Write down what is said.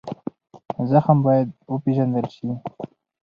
زخم باید وپېژندل شي.